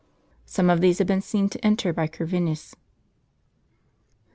Some of these had been seen to enter by Corvinus.